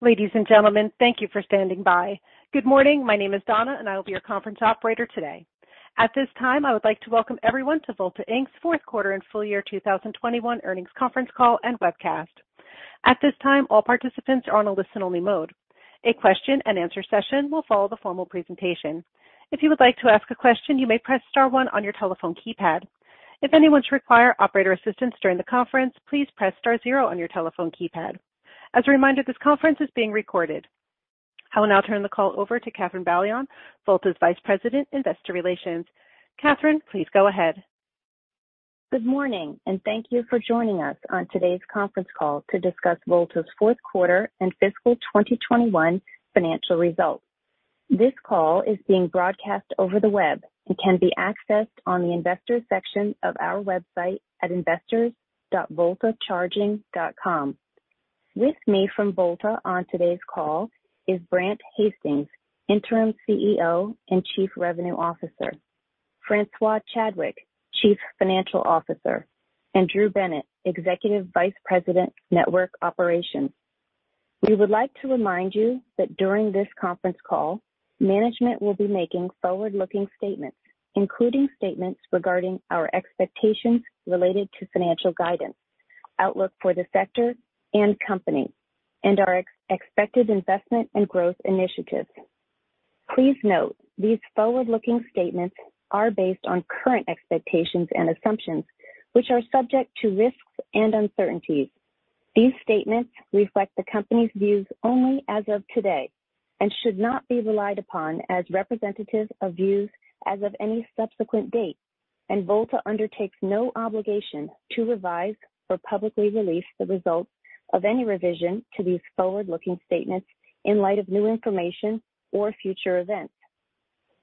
Ladies and gentlemen, thank you for standing by. Good morning. My name is Donna, and I will be your conference operator today. At this time, I would like to welcome everyone to Volta Inc.'s fourth quarter and full year 2021 earnings conference call and webcast. At this time, all participants are on a listen-only mode. A question-and-answer session will follow the formal presentation. If you would like to ask a question, you may press star one on your telephone keypad. If anyone requires operator assistance during the conference, please press star zero on your telephone keypad. As a reminder, this conference is being recorded. I will now turn the call over to Katherine Bailon, Volta's Vice President, Investor Relations. Katherine, please go ahead. Good morning, and thank you for joining us on today's conference call to discuss Volta's fourth quarter and fiscal 2021 financial results. This call is being broadcast over the web and can be accessed on the investors section of our website at investors.voltacharging.com. With me from Volta on today's call is Brandt Hastings, Interim CEO and Chief Revenue Officer, Francois Chadwick, Chief Financial Officer, and Drew Bennett, Executive Vice President, Network Operations. We would like to remind you that during this conference call, management will be making forward-looking statements, including statements regarding our expectations related to financial guidance, outlook for the sector and company, and our expected investment and growth initiatives. Please note, these forward-looking statements are based on current expectations and assumptions, which are subject to risks and uncertainties. These statements reflect the company's views only as of today and should not be relied upon as representative of views as of any subsequent date. Volta undertakes no obligation to revise or publicly release the results of any revision to these forward-looking statements in light of new information or future events.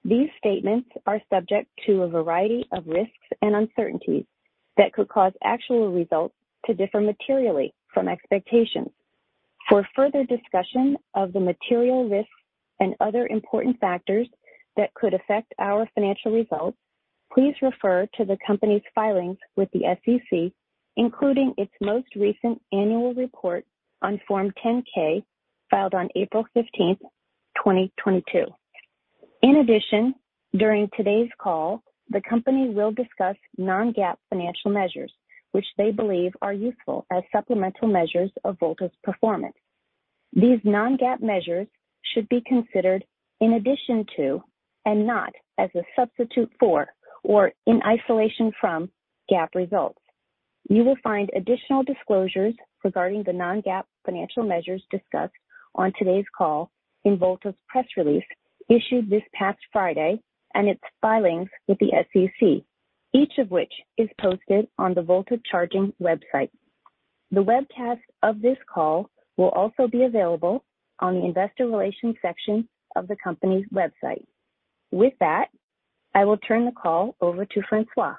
These statements are subject to a variety of risks and uncertainties that could cause actual results to differ materially from expectations. For further discussion of the material risks and other important factors that could affect our financial results, please refer to the company's filings with the SEC, including its most recent annual report on Form 10-K filed on April 15, 2022. In addition, during today's call, the company will discuss non-GAAP financial measures, which they believe are useful as supplemental measures of Volta's performance. These non-GAAP measures should be considered in addition to and not as a substitute for or in isolation from GAAP results. You will find additional disclosures regarding the non-GAAP financial measures discussed on today's call in Volta's press release issued this past Friday and its filings with the SEC, each of which is posted on the Volta Charging website. The webcast of this call will also be available on the Investor Relations section of the company's website. With that, I will turn the call over to Francois.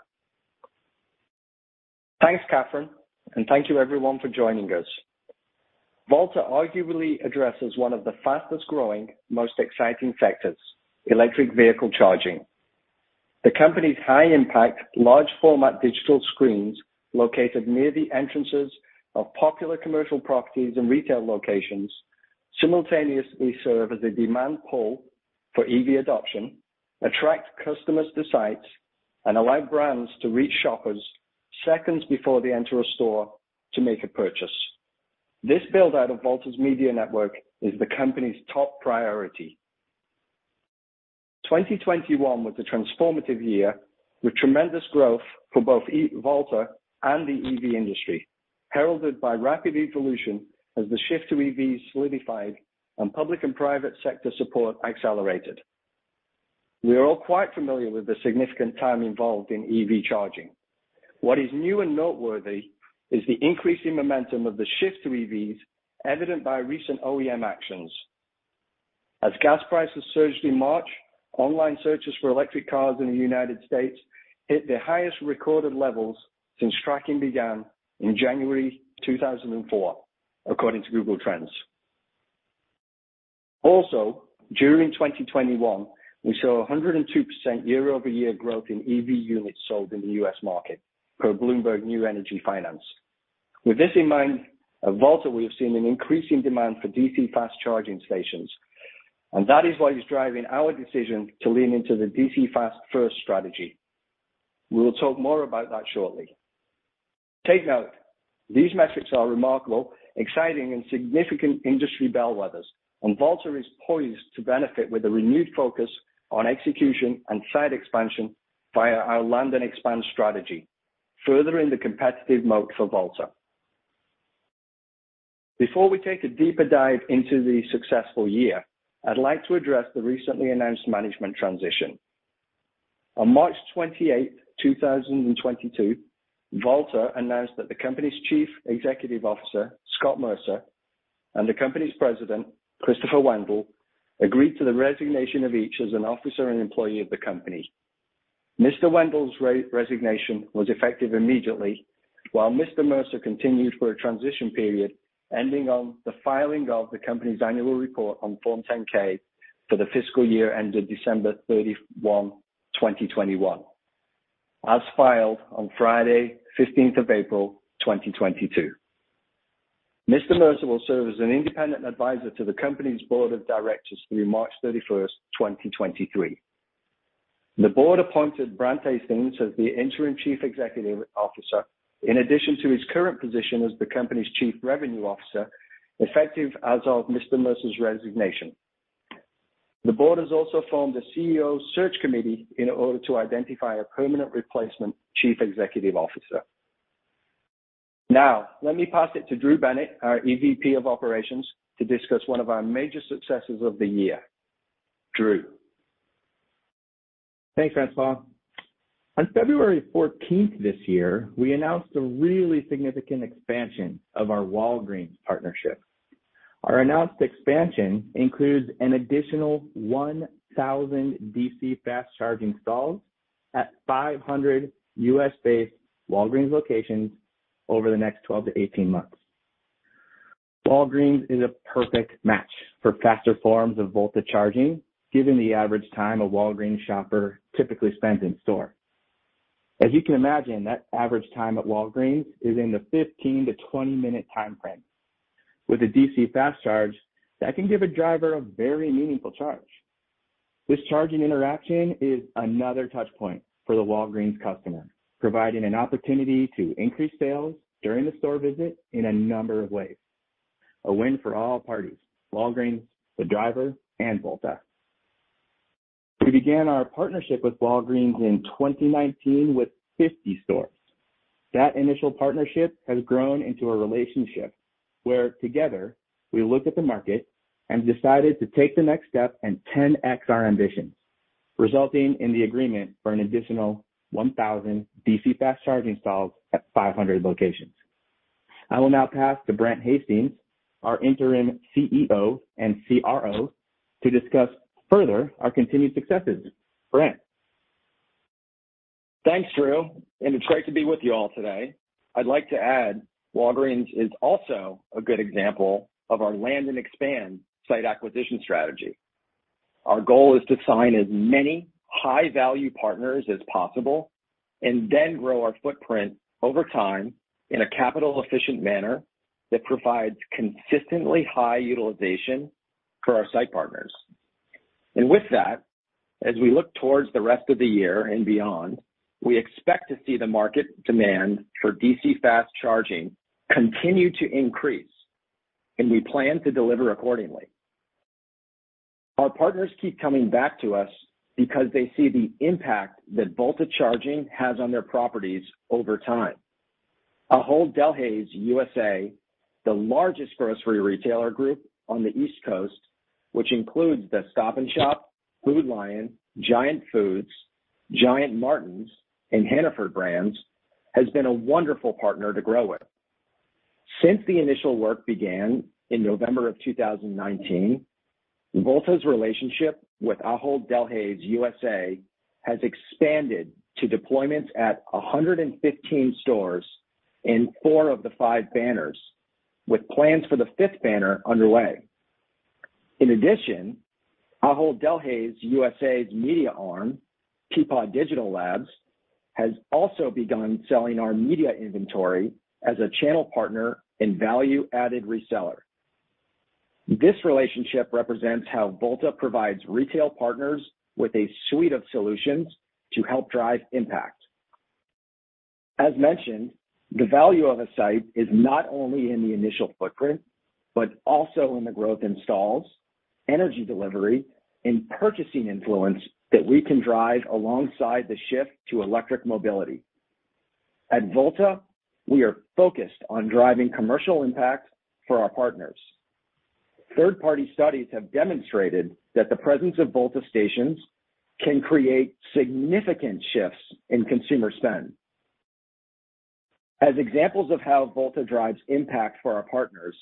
Thanks, Katherine, and thank you everyone for joining us. Volta arguably addresses one of the fastest-growing, most exciting sectors, electric vehicle charging. The company's high impact, large format digital screens located near the entrances of popular commercial properties and retail locations simultaneously serve as a demand pull for EV adoption, attract customers to sites, and allow brands to reach shoppers seconds before they enter a store to make a purchase. This build out of Volta's media network is the company's top priority. 2021 was a transformative year with tremendous growth for both Volta and the EV industry, heralded by rapid evolution as the shift to EVs solidified and public and private sector support accelerated. We are all quite familiar with the significant time involved in EV charging. What is new and noteworthy is the increase in momentum of the shift to EVs evident by recent OEM actions. As gas prices surged in March, online searches for electric cars in the United States hit their highest recorded levels since tracking began in January 2004, according to Google Trends. Also, during 2021, we saw 102% year-over-year growth in EV units sold in the U.S. market for Bloomberg New Energy Finance. With this in mind, at Volta, we have seen an increase in demand for DC fast charging stations, and that is what is driving our decision to lean into the DC fast-first strategy. We will talk more about that shortly. Take note, these metrics are remarkable, exciting, and significant industry bellwethers, and Volta is poised to benefit with a renewed focus on execution and site expansion via our land and expand strategy, furthering the competitive moat for Volta. Before we take a deeper dive into the successful year, I'd like to address the recently announced management transition. On March 28, 2022, Volta announced that the company's Chief Executive Officer, Scott Mercer, and the company's President, Christopher Wendel, agreed to the resignation of each as an officer and employee of the company. Mr. Wendel's resignation was effective immediately while Mr. Mercer continued for a transition period ending on the filing of the company's annual report on Form 10-K for the fiscal year ended December 31, 2021. As filed on Friday, the 15th of April, 2022. Mr. Mercer will serve as an independent advisor to the company's board of directors through March 31st, 2023. The board appointed Brandt Hastings as the Interim Chief Executive Officer in addition to his current position as the company's Chief Revenue Officer, effective as of Mr. Mercer's resignation. The board has also formed a CEO search committee in order to identify a permanent replacement Chief Executive Officer. Now, let me pass it to Drew Bennett, our EVP of Operations, to discuss one of our major successes of the year. Drew? Thanks, Francois. On February 14 this year, we announced a really significant expansion of our Walgreens partnership. Our announced expansion includes an additional 1,000 DC fast charging stalls at 500 U.S.-based Walgreens locations over the next 12-18 months. Walgreens is a perfect match for faster forms of Volta charging, given the average time a Walgreens shopper typically spends in store. As you can imagine, that average time at Walgreens is in the 15-20-minute time frame. With a DC fast charge, that can give a driver a very meaningful charge. This charging interaction is another touch point for the Walgreens customer, providing an opportunity to increase sales during the store visit in a number of ways. A win for all parties, Walgreens, the driver, and Volta. We began our partnership with Walgreens in 2019 with 50 stores. That initial partnership has grown into a relationship where together we looked at the market and decided to take the next step and 10x our ambitions, resulting in the agreement for an additional 1,000 DC fast charging stalls at 500 locations. I will now pass to Brandt Hastings, our Interim CEO and CRO, to discuss further our continued successes. Brandt? Thanks, Drew, and it's great to be with you all today. I'd like to add Walgreens is also a good example of our land and expand site acquisition strategy. Our goal is to sign as many high-value partners as possible and then grow our footprint over time in a capital efficient manner that provides consistently high utilization for our site partners. With that, as we look towards the rest of the year and beyond, we expect to see the market demand for DC fast charging continue to increase, and we plan to deliver accordingly. Our partners keep coming back to us because they see the impact that Volta Charging has on their properties over time. Ahold Delhaize USA, the largest grocery retailer group on the East Coast, which includes the Stop & Shop, Food Lion, Giant Food, Giant Martin's, and Hannaford brands, has been a wonderful partner to grow with. Since the initial work began in November 2019, Volta's relationship with Ahold Delhaize USA has expanded to deployments at 115 stores in four of the five banners, with plans for the fifth banner underway. In addition, Ahold Delhaize USA's media arm, Peapod Digital Labs, has also begun selling our media inventory as a channel partner and value-added reseller. This relationship represents how Volta provides retail partners with a suite of solutions to help drive impact. As mentioned, the value of a site is not only in the initial footprint, but also in the growth installs, energy delivery, and purchasing influence that we can drive alongside the shift to electric mobility. At Volta, we are focused on driving commercial impact for our partners. Third-party studies have demonstrated that the presence of Volta stations can create significant shifts in consumer spend. As examples of how Volta drives impact for our partners,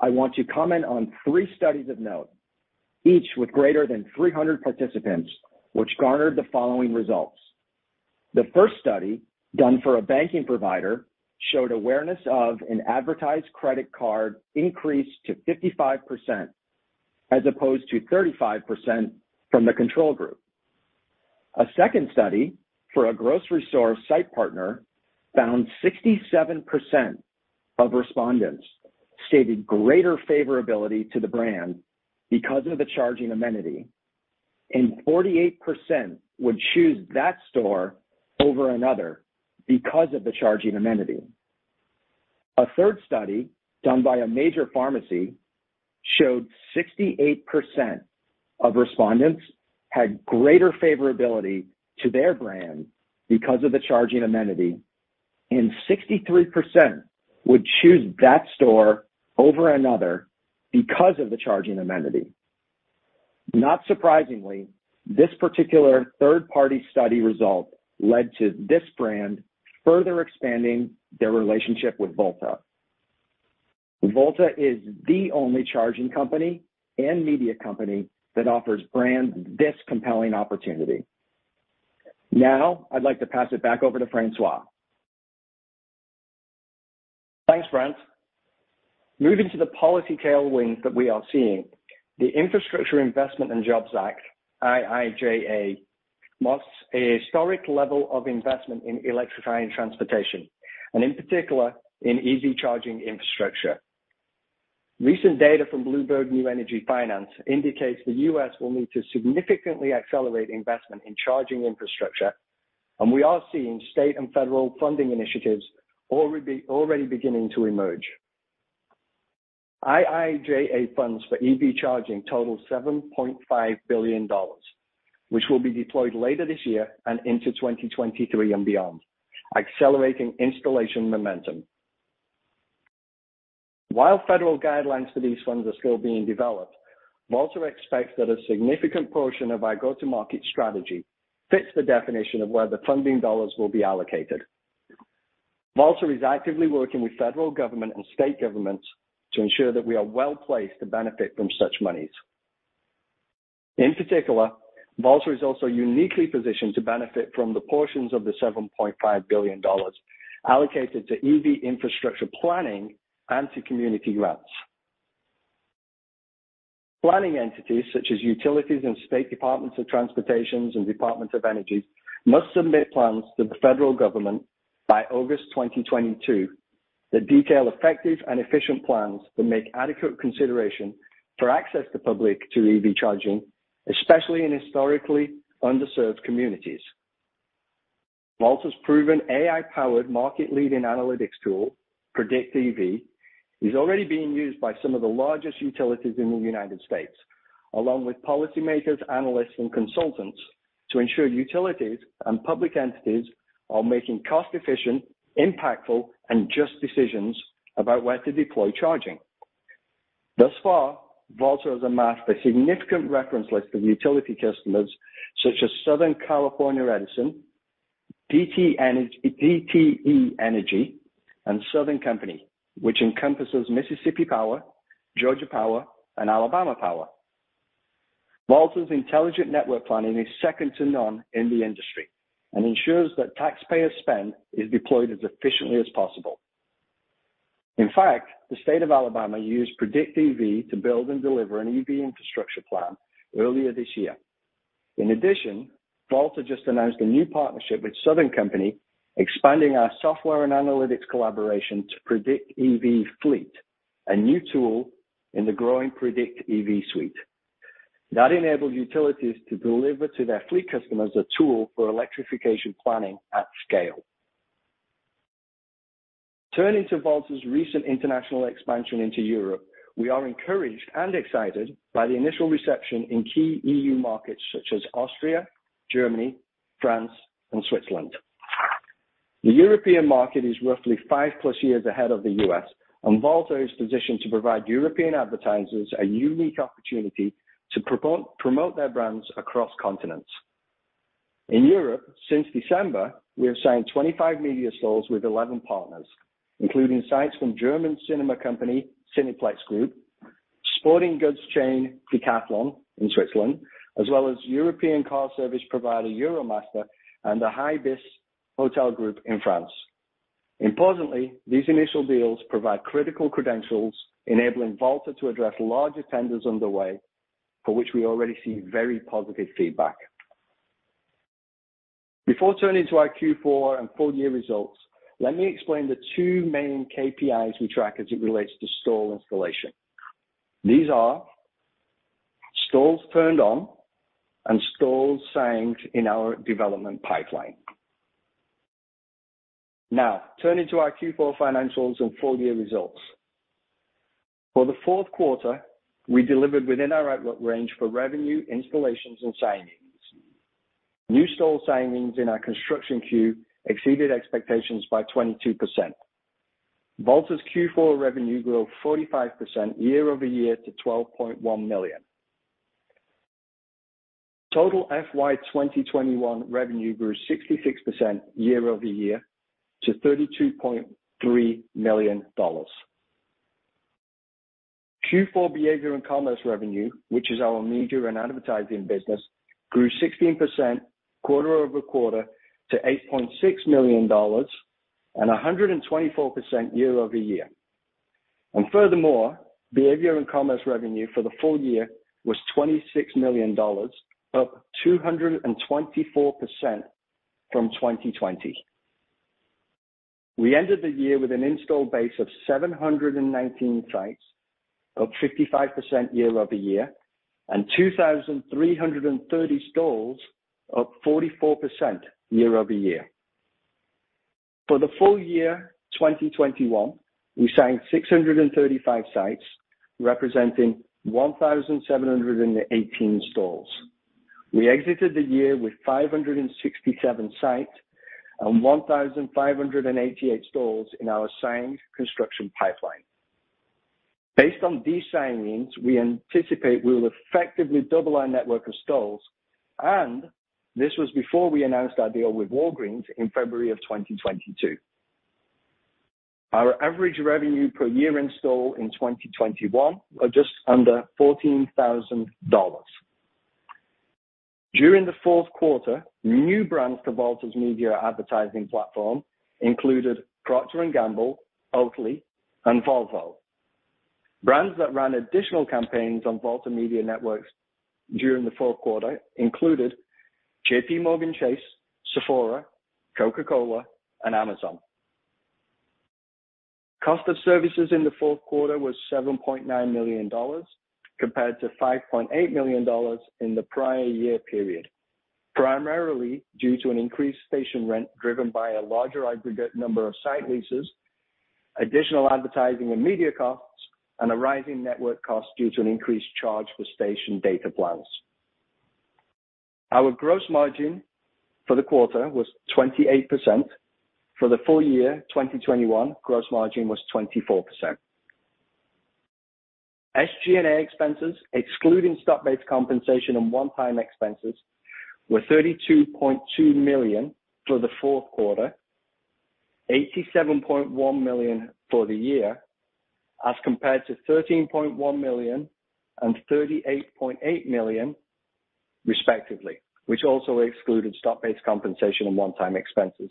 I want to comment on three studies of note, each with greater than 300 participants, which garnered the following results. The first study, done for a banking provider, showed awareness of an advertised credit card increased to 55% as opposed to 35% from the control group. A second study for a grocery store site partner found 67% of respondents stated greater favorability to the brand because of the charging amenity, and 48% would choose that store over another because of the charging amenity. A third study done by a major pharmacy showed 68% of respondents had greater favorability to their brand because of the charging amenity, and 63% would choose that store over another because of the charging amenity. Not surprisingly, this particular third-party study result led to this brand further expanding their relationship with Volta. Volta is the only charging company and media company that offers brands this compelling opportunity. Now, I'd like to pass it back over to Francois. Thanks, Brandt. Moving to the policy tailwind that we are seeing. The Infrastructure Investment and Jobs Act, IIJA, marks a historic level of investment in electrifying transportation, and in particular, in EV charging infrastructure. Recent data from Bloomberg New Energy Finance indicates the U.S. will need to significantly accelerate investment in charging infrastructure, and we are seeing state and federal funding initiatives already beginning to emerge. IIJA funds for EV charging total $7.5 billion, which will be deployed later this year and into 2023 and beyond, accelerating installation momentum. While federal guidelines for these funds are still being developed, Volta expects that a significant portion of our go-to-market strategy fits the definition of where the funding dollars will be allocated. Volta is actively working with the federal government and state governments to ensure that we are well-placed to benefit from such monies. In particular, Volta is also uniquely positioned to benefit from the portions of the $7.5 billion allocated to EV infrastructure planning and to community grants. Planning entities such as utilities and state departments of transportation and departments of energy must submit plans to the federal government by August 2022 that detail effective and efficient plans that make adequate consideration for access to public EV charging, especially in historically underserved communities. Volta's proven AI-powered market-leading analytics tool, PredictEV, is already being used by some of the largest utilities in the United States, along with policymakers, analysts, and consultants to ensure utilities and public entities are making cost-efficient, impactful, and just decisions about where to deploy charging. Thus far, Volta has amassed a significant reference list of utility customers such as Southern California Edison, DTE Energy, and Southern Company, which encompasses Mississippi Power, Georgia Power, and Alabama Power. Volta's intelligent network planning is second to none in the industry and ensures that taxpayer spend is deployed as efficiently as possible. In fact, the state of Alabama used PredictEV to build and deliver an EV infrastructure plan earlier this year. In addition, Volta just announced a new partnership with Southern Company, expanding our software and analytics collaboration to PredictEV Fleet, a new tool in the growing PredictEV suite. That enables utilities to deliver to their fleet customers a tool for electrification planning at scale. Turning to Volta's recent international expansion into Europe, we are encouraged and excited by the initial reception in key EU markets such as Austria, Germany, France, and Switzerland. The European market is roughly 5+ years ahead of the U.S., and Volta is positioned to provide European advertisers a unique opportunity to promote their brands across continents. In Europe, since December, we have signed 25 media stalls with 11 partners, including sites from German cinema company, Cineplex Group, sporting goods chain, Decathlon in Switzerland, as well as European car service provider Euromaster; and ibis Hotel Group in France. Importantly, these initial deals provide critical credentials, enabling Volta to address larger tenders underway, for which we already see very positive feedback. Before turning to our Q4 and full-year results, let me explain the two main KPIs we track as it relates to stall installation. These are stalls turned on and stalls signed in our development pipeline. Now, turning to our Q4 financials and full-year results. For the fourth quarter, we delivered within our outlook range for revenue, installations, and signings. New stall signings in our construction queue exceeded expectations by 22%. Volta's Q4 revenue grew 45% year-over-year to $12.1 million. Total FY 2021 revenue grew 66% year-over-year to $32.3 million. Q4 behavior and commerce revenue, which is our media and advertising business, grew 16% quarter-over-quarter to $8.6 million and 124% year-over-year. Behavior and commerce revenue for the full year was $26 million, up 224% from 2020. We ended the year with an installed base of 719 sites, up 55% year-over-year, and 2,330 stalls, up 44% year-over-year. For the full year 2021, we signed 635 sites, representing 1,718 stalls. We exited the year with 567 sites and 1,588 stalls in our signed construction pipeline. Based on these signings, we anticipate we will effectively double our network of stalls, and this was before we announced our deal with Walgreens in February 2022. Our average revenue per year install in 2021 are just under $14,000. During the fourth quarter, new brands to Volta's media advertising platform included Procter & Gamble, Oakley, and Volvo. Brands that ran additional campaigns on Volta Media networks during the fourth quarter included JPMorgan Chase, Sephora, Coca-Cola, and Amazon. Cost of services in the fourth quarter was $7.9 million compared to $5.8 million in the prior year period, primarily due to an increased station rent driven by a larger aggregate number of site leases, additional advertising and media costs, and a rising network cost due to an increased charge for station data plans. Our gross margin for the quarter was 28%. For the full year, 2021 gross margin was 24%. SG&A expenses excluding stock-based compensation and one-time expenses were $32.2 million for the fourth quarter, $87.1 million for the year, as compared to $13.1 million and $38.8 million, respectively, which also excluded stock-based compensation and one-time expenses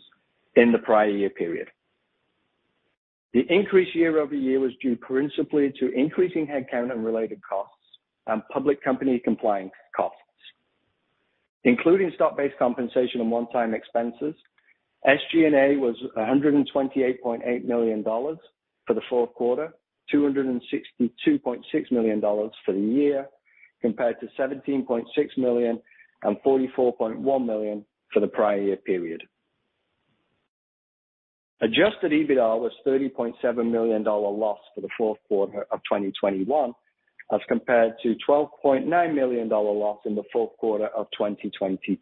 in the prior year period. The increase year-over-year was due principally to increasing headcount and related costs and public company compliance costs. Including stock-based compensation and one-time expenses, SG&A was $128.8 million for the fourth quarter, $262.6 million for the year, compared to $17.6 million and $44.1 million for the prior year period. Adjusted EBITDA was $30.7 million loss for the fourth quarter of 2021, as compared to $12.9 million loss in the fourth quarter of 2020.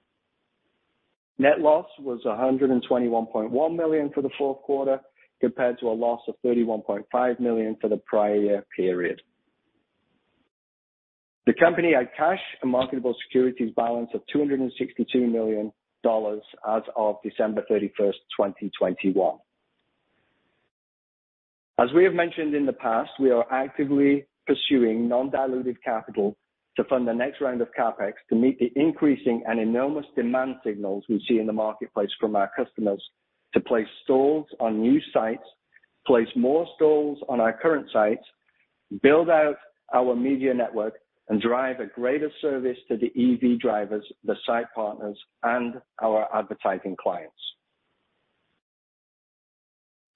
Net loss was $121.1 million for the fourth quarter, compared to a loss of $31.5 million for the prior year period. The company had cash and marketable securities balance of $262 million as of December 31st, 2021. As we have mentioned in the past, we are actively pursuing non-dilutive capital to fund the next round of CapEx to meet the increasing and enormous demand signals we see in the marketplace from our customers to place stalls on new sites, place more stalls on our current sites, build out our media network and drive a greater service to the EV drivers, the site partners, and our advertising clients.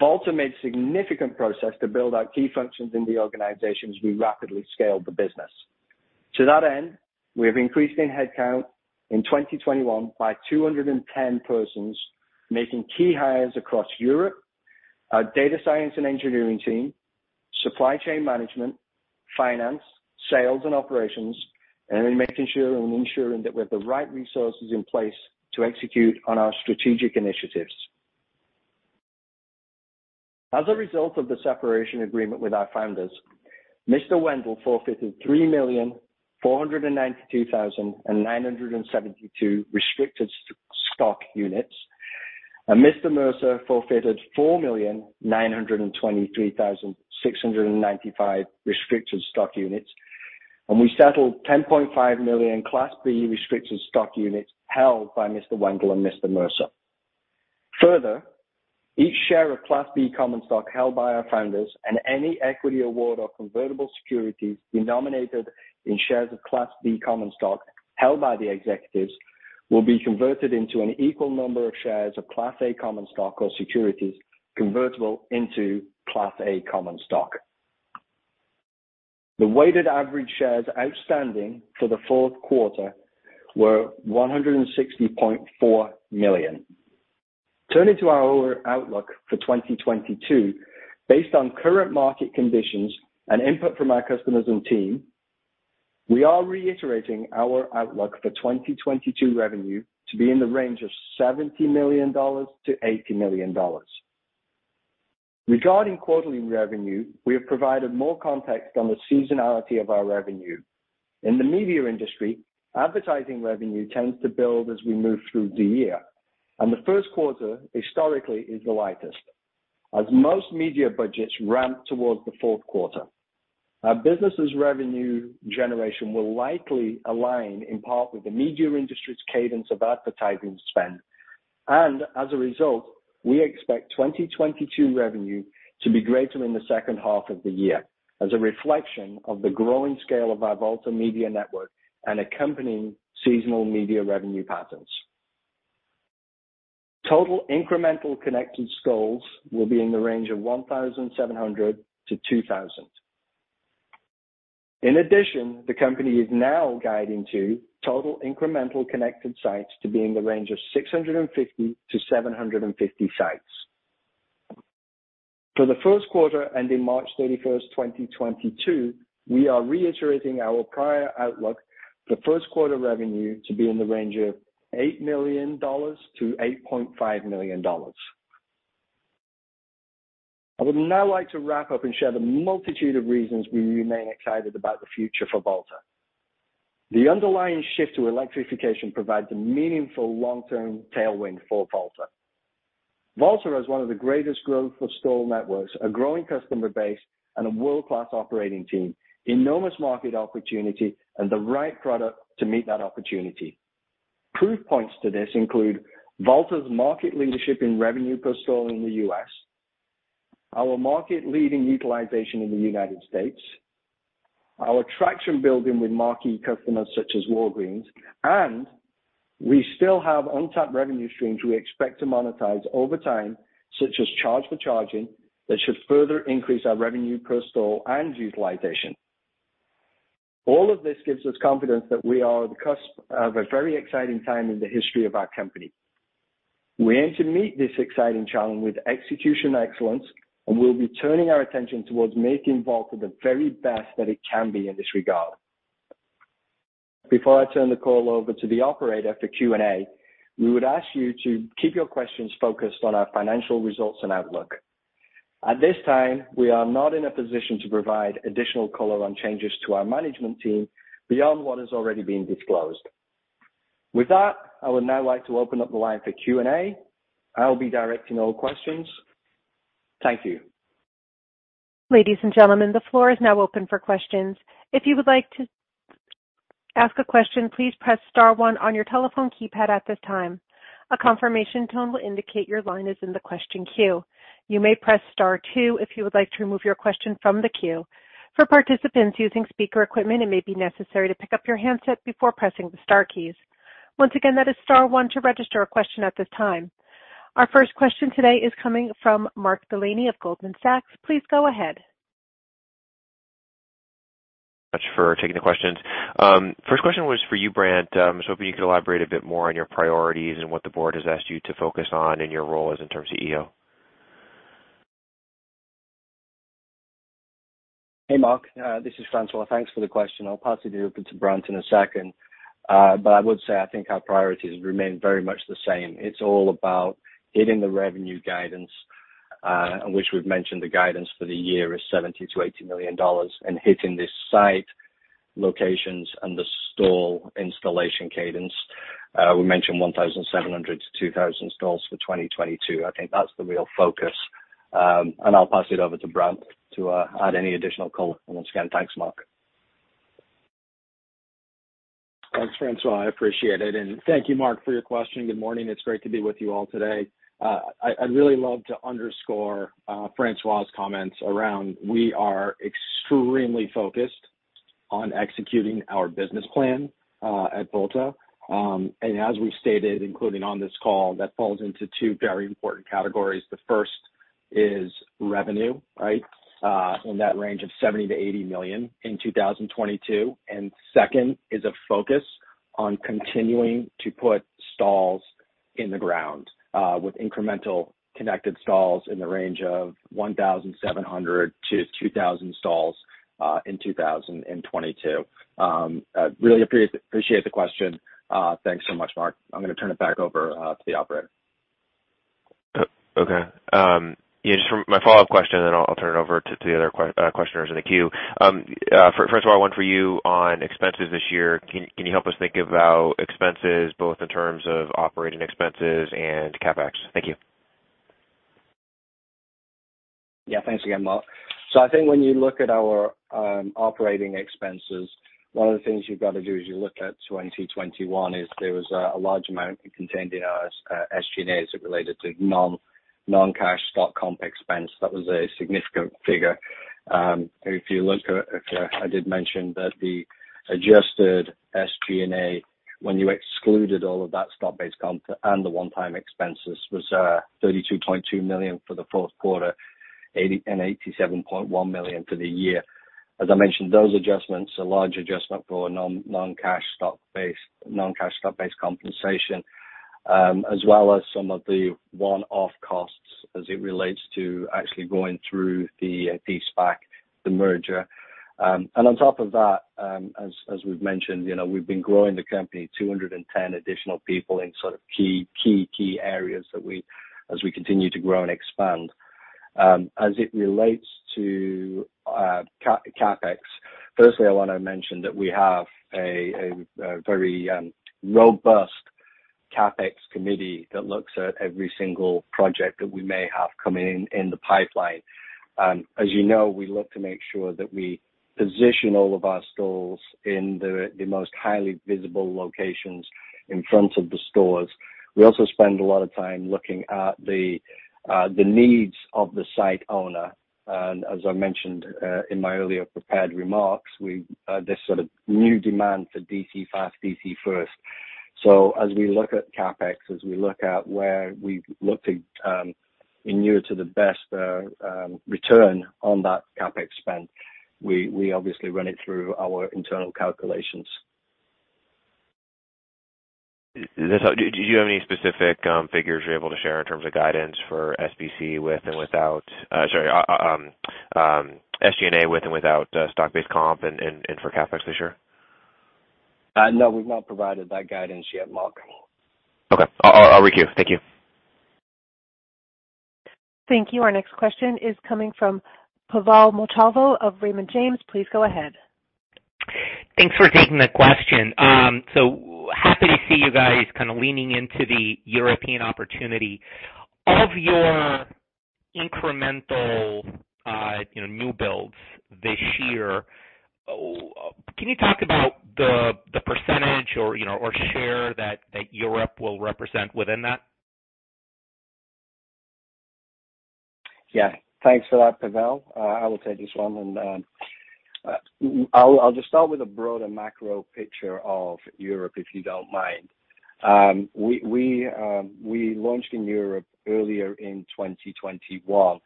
Volta made significant progress to build out key functions in the organization as we rapidly scaled the business. To that end, we have increased in headcount in 2021 by 210 persons, making key hires across Europe, our data science and engineering team, supply chain management, finance, sales and operations, and in making sure and ensuring that we have the right resources in place to execute on our strategic initiatives. As a result of the separation agreement with our founders, Mr. Wendel forfeited 3,492,972 restricted stock units, and Mr. Mercer forfeited 4,923,695 restricted stock units, and we settled 10.5 million Class B restricted stock units held by Mr. Wendel and Mr. Mercer. Further, each share of Class B common stock held by our founders and any equity award or convertible securities denominated in shares of Class B common stock held by the executives will be converted into an equal number of shares of Class A common stock or securities convertible into Class A common stock. The weighted average shares outstanding for the fourth quarter were 160.4 million. Turning to our outlook for 2022. Based on current market conditions and input from our customers and team, we are reiterating our outlook for 2022 revenue to be in the range of $70 million-$80 million. Regarding quarterly revenue, we have provided more context on the seasonality of our revenue. In the media industry, advertising revenue tends to build as we move through the year, and the first quarter historically is the lightest as most media budgets ramp towards the fourth quarter. Our business' revenue generation will likely align in part with the media industry's cadence of advertising spend. As a result, we expect 2022 revenue to be greater in the second half of the year as a reflection of the growing scale of our Volta Media Network and accompanying seasonal media revenue patterns. Total incremental connected stalls will be in the range of 1,700-2,000. In addition, the company is now guiding to total incremental connected sites to be in the range of 650-750 sites. For the first quarter ending March 31, 2022, we are reiterating our prior outlook for first quarter revenue to be in the range of $8 million-$8.5 million. I would now like to wrap up and share the multitude of reasons we remain excited about the future for Volta. The underlying shift to electrification provides a meaningful long-term tailwind for Volta. Volta has one of the greatest growth-focused stall networks, a growing customer base, and a world-class operating team, enormous market opportunity, and the right product to meet that opportunity. Proof points to this include Volta's market leadership in revenue per stall in the U.S., our market-leading utilization in the United States, our traction building with marquee customers such as Walgreens, and we still have untapped revenue streams we expect to monetize over time, such as charge for charging, that should further increase our revenue per stall and utilization. All of this gives us confidence that we are on the cusp of a very exciting time in the history of our company. We aim to meet this exciting challenge with execution excellence, and we'll be turning our attention towards making Volta the very best that it can be in this regard. Before I turn the call over to the operator for Q&A, we would ask you to keep your questions focused on our financial results and outlook. At this time, we are not in a position to provide additional color on changes to our management team beyond what has already been disclosed. With that, I would now like to open up the line for Q&A. I'll be directing all questions. Thank you. Ladies and gentlemen, the floor is now open for questions. If you would like to ask a question, please press star one on your telephone keypad at this time. A confirmation tone will indicate your line is in the question queue. You may press star two if you would like to remove your question from the queue. For participants using speaker equipment, it may be necessary to pick up your handset before pressing the star keys. Once again, that is star one to register a question at this time. Our first question today is coming from Mark Delaney of Goldman Sachs. Please go ahead. Thanks for taking the questions. First question was for you, Brandt. Was hoping you could elaborate a bit more on your priorities and what the board has asked you to focus on in your role as Interim CEO. Hey, Mark. This is Francois. Thanks for the question. I'll pass it over to Brant in a second. I would say I think our priorities remain very much the same. It's all about hitting the revenue guidance, which we've mentioned the guidance for the year is $70 million-$80 million, and hitting this site locations and the stall installation cadence. We mentioned 1,700-2,000 stalls for 2022. I think that's the real focus. I'll pass it over to Brant to add any additional color. Once again, thanks, Mark. Thanks, Francois. I appreciate it. Thank you, Mark, for your question. Good morning. It's great to be with you all today. I'd really love to underscore Francois' comments around we are extremely focused on executing our business plan at Volta. As we've stated, including on this call, that falls into two very important categories. The first is revenue, right? In that range of $70 million-$80 million in 2022. Second is a focus on continuing to put stalls in the ground with incremental connected stalls in the range of 1,700-2,000 stalls in 2022. I really appreciate the question. Thanks so much, Mark. I'm gonna turn it back over to the operator. Okay. Yeah, just for my follow-up question, and then I'll turn it over to the other questioners in the queue. Francois, one for you on expenses this year. Can you help us think about expenses both in terms of operating expenses and CapEx? Thank you. Yeah, thanks again, Mark. I think when you look at our operating expenses, one of the things you've got to do is you look at 2021. There was a large amount contained in our SG&A that related to non-cash stock comp expense. That was a significant figure. I did mention that the adjusted SG&A, when you excluded all of that stock-based comp and the one-time expenses, was $32.2 million for the fourth quarter, $87.1 million for the year. As I mentioned, those adjustments, a large adjustment for non-cash stock-based compensation, as well as some of the one-off costs as it relates to actually going through the SPAC, the merger. On top of that, as we've mentioned, you know, we've been growing the company, 210 additional people in sort of key areas as we continue to grow and expand. As it relates to CapEx, firstly, I wanna mention that we have a very robust CapEx committee that looks at every single project that we may have coming in the pipeline. As you know, we look to make sure that we position all of our stalls in the most highly visible locations in front of the stores. We also spend a lot of time looking at the needs of the site owner. As I mentioned in my earlier prepared remarks, this sort of new demand for DC fast, DC first. As we look at CapEx, as we look at where we look to ensure the best return on that CapEx spend, we obviously run it through our internal calculations. Do you have any specific figures you're able to share in terms of guidance for SG&A with and without stock-based comp and for CapEx this year? No, we've not provided that guidance yet, Mark. Okay. I'll requeue. Thank you. Thank you. Our next question is coming from Pavel Molchanov of Raymond James. Please go ahead. Thanks for taking the question. Happy to see you guys kind of leaning into the European opportunity. Of your incremental, you know, new builds this year, can you talk about the percentage or, you know, or share that Europe will represent within that? Yeah. Thanks for that, Pavel. I will take this one. I'll just start with a broader macro picture of Europe, if you don't mind. We launched in Europe earlier in 2021,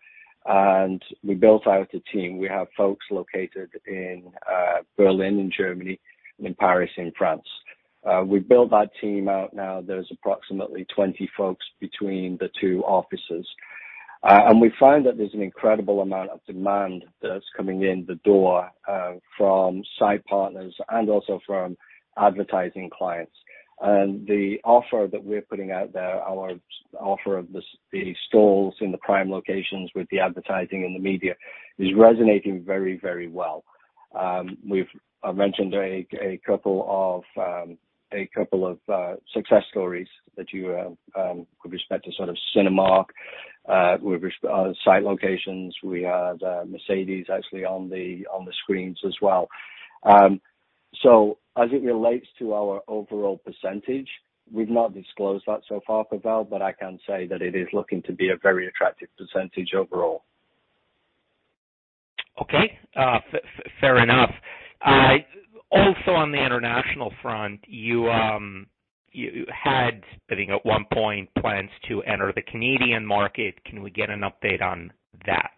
and we built out a team. We have folks located in Berlin in Germany and in Paris in France. We built that team out. Now there's approximately 20 folks between the two offices. We find that there's an incredible amount of demand that's coming in the door from site partners and also from advertising clients. The offer that we're putting out there, our offer of the stalls in the prime locations with the advertising and the media is resonating very, very well. We've... I've mentioned a couple of success stories that you with respect to sort of Cinemark with respect to site locations. We had Mercedes actually on the screens as well. As it relates to our overall percentage, we've not disclosed that so far, Pavel, but I can say that it is looking to be a very attractive percentage overall. Okay. Fair enough. Also on the international front, you had, I think at one point, plans to enter the Canadian market. Can we get an update on that?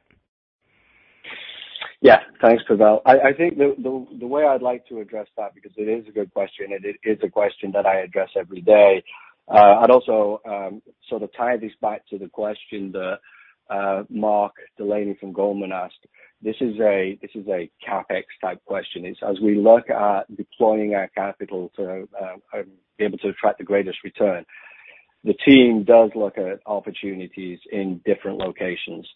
Yeah. Thanks, Pavel. I think the way I'd like to address that, because it is a good question, and it is a question that I address every day. I'd also sort of tie this back to the question that Mark Delaney from Goldman asked. This is a CapEx type question. It's as we look at deploying our capital to be able to attract the greatest return, the team does look at opportunities in different locations.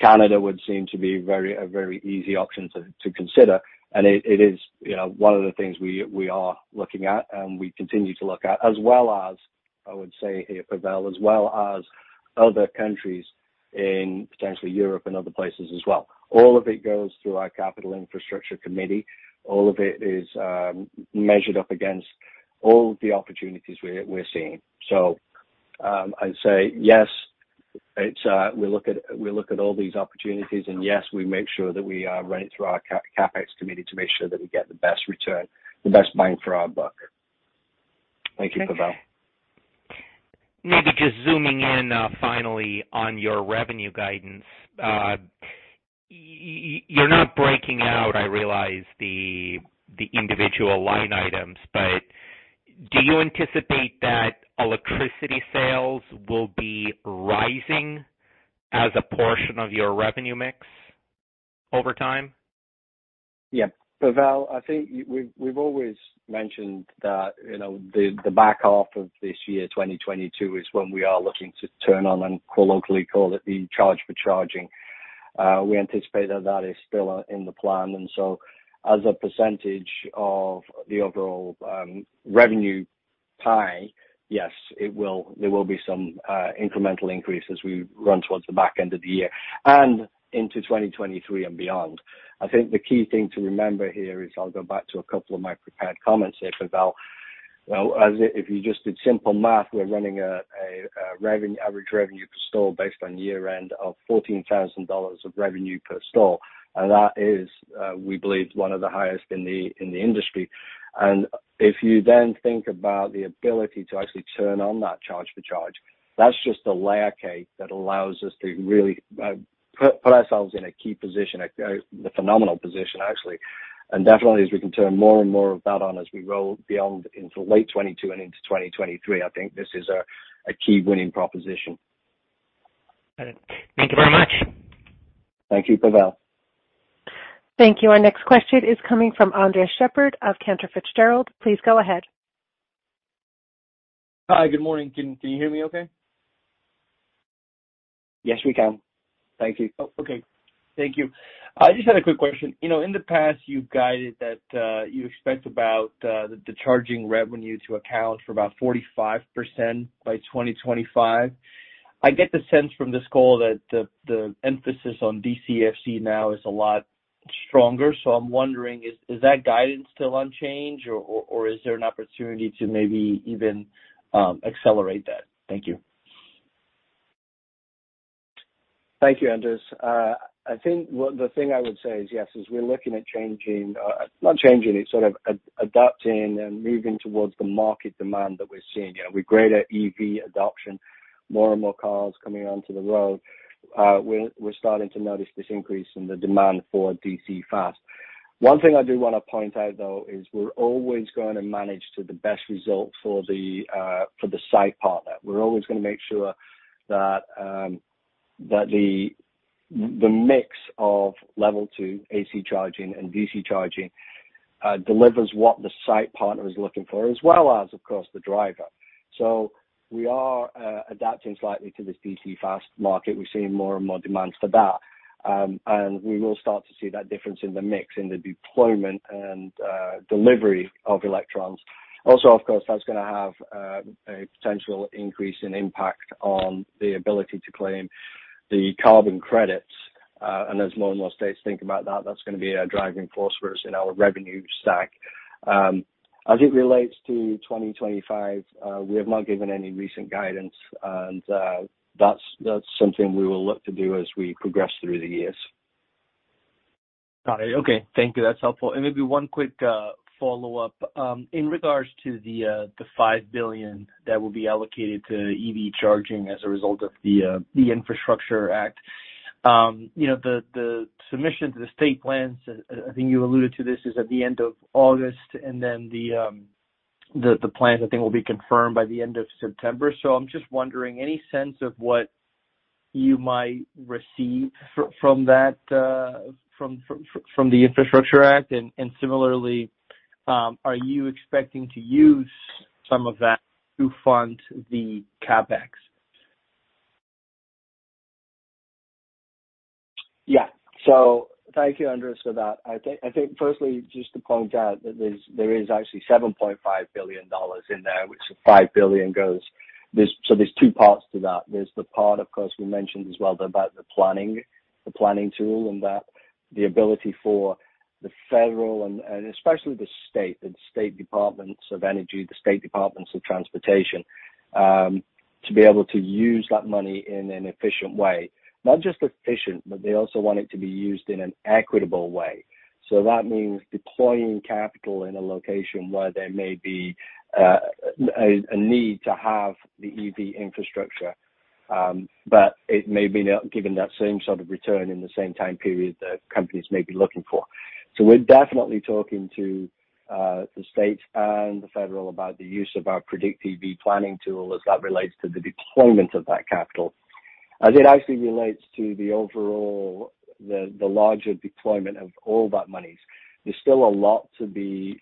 Canada would seem to be a very easy option to consider. It is, you know, one of the things we are looking at and we continue to look at, as well as, I would say here, Pavel, as well as other countries in potentially Europe and other places as well. All of it goes through our capital infrastructure committee. All of it is measured up against all the opportunities we're seeing. I'd say yes, we look at all these opportunities, and yes, we make sure that we run it through our CapEx committee to make sure that we get the best return, the best bang for our buck. Thank you, Pavel. Maybe just zooming in finally on your revenue guidance. You're not breaking out, I realize, the individual line items, but do you anticipate that electricity sales will be rising as a portion of your revenue mix over time? Yeah. Pavel, I think we've always mentioned that, you know, the back half of this year, 2022, is when we are looking to turn on and colloquially call it the charge for charging. We anticipate that that is still in the plan. As a percentage of the overall revenue pie, yes, it will. There will be some incremental increase as we run towards the back end of the year and into 2023 and beyond. I think the key thing to remember here is I'll go back to a couple of my prepared comments here, Pavel. Well, as if you just did simple math, we're running average revenue per store based on year-end of $14,000 of revenue per store. That is, we believe one of the highest in the industry. If you then think about the ability to actually turn on that charge-for-charge, that's just a layer cake that allows us to really put ourselves in a key position, the phenomenal position actually. Definitely as we can turn more and more of that on as we roll beyond into late 2022 and into 2023, I think this is a key winning proposition. Got it. Thank you very much. Thank you, Pavel. Thank you. Our next question is coming from Andres Sheppard of Cantor Fitzgerald. Please go ahead. Hi. Good morning. Can you hear me okay? Yes, we can. Thank you. Oh, okay. Thank you. I just had a quick question. You know, in the past you guided that you expect about the charging revenue to account for about 45% by 2025. I get the sense from this call that the emphasis on DCFC now is a lot stronger. I'm wondering, is that guidance still unchanged or is there an opportunity to maybe even accelerate that? Thank you. Thank you, Andres. I think what the thing I would say is yes, we're looking at changing, not changing. It's sort of adapting and moving towards the market demand that we're seeing. You know, with greater EV adoption, more and more cars coming onto the road, we're starting to notice this increase in the demand for DC fast. One thing I do wanna point out though is we're always gonna manage to the best result for the site partner. We're always gonna make sure that the mix of level two AC charging and DC charging delivers what the site partner is looking for, as well as, of course, the driver. We are adapting slightly to this DC fast market. We're seeing more and more demands for that. We will start to see that difference in the mix in the deployment and delivery of electrons. Also, of course, that's gonna have a potential increase in impact on the ability to claim the carbon credits. As more and more states think about that's gonna be a driving force for us in our revenue stack. As it relates to 2025, we have not given any recent guidance, and that's something we will look to do as we progress through the years. Got it. Okay. Thank you. That's helpful. Maybe one quick follow-up. In regards to the $5 billion that will be allocated to EV charging as a result of the Infrastructure Act. You know, the submission to the state plans, I think you alluded to this, is at the end of August, and then the plans, I think, will be confirmed by the end of September. I'm just wondering, any sense of what you might receive from that, from the Infrastructure Act? Similarly, are you expecting to use some of that to fund the CapEx? Yeah. Thank you, Andres, for that. I think firstly, just to point out that there is actually $7.5 billion in there, which the $5 billion goes. There are two parts to that. There is the part of course we mentioned as well about the planning, the planning tool, and that the ability for the federal and especially the state departments of energy, the state departments of transportation, to be able to use that money in an efficient way. Not just efficient, but they also want it to be used in an equitable way. That means deploying capital in a location where there may be a need to have the EV infrastructure, but it may be not giving that same sort of return in the same time period that companies may be looking for. We're definitely talking to the state and the federal about the use of our PredictEV planning tool as that relates to the deployment of that capital. As it actually relates to the overall, the larger deployment of all that money, there's still a lot to be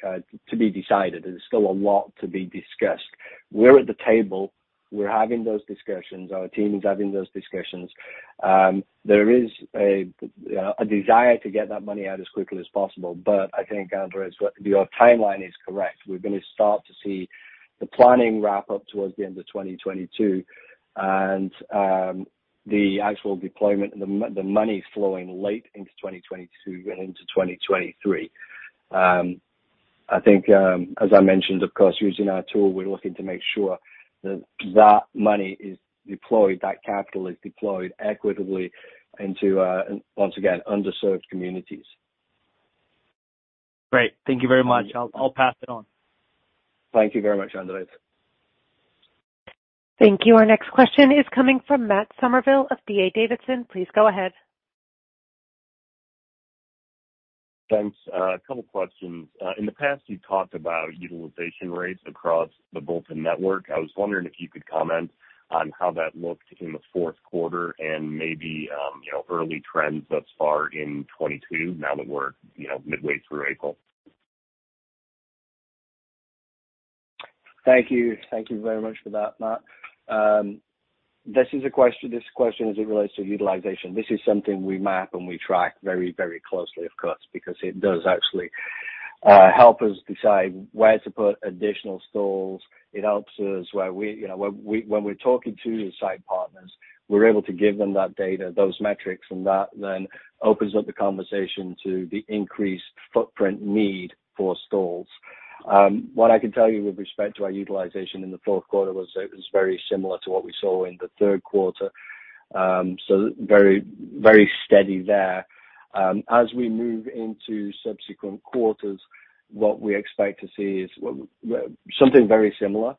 decided, and there's still a lot to be discussed. We're at the table. We're having those discussions. Our team is having those discussions. There is a desire to get that money out as quickly as possible. I think Andres, your timeline is correct. We're gonna start to see the planning wrap up towards the end of 2022 and the actual deployment and the money flowing late into 2022 and into 2023. I think, as I mentioned, of course, using our tool, we're looking to make sure that that money is deployed, that capital is deployed equitably into, once again, underserved communities. Great. Thank you very much. I'll pass it on. Thank you very much, Andres. Thank you. Our next question is coming from Matt Summerville of D.A. Davidson. Please go ahead. Thanks. A couple questions. In the past, you've talked about utilization rates across the Volta network. I was wondering if you could comment on how that looked in the fourth quarter and maybe, you know, early trends thus far in 2022 now that we're, you know, midway through April. Thank you. Thank you very much for that, Matt. This question as it relates to utilization, this is something we map and we track very, very closely, of course, because it does actually help us decide where to put additional stalls. It helps us where we, you know, when we, when we're talking to the site partners, we're able to give them that data, those metrics, and that then opens up the conversation to the increased footprint need for stalls. What I can tell you with respect to our utilization in the fourth quarter was very similar to what we saw in the third quarter. So very, very steady there. As we move into subsequent quarters, what we expect to see is something very similar.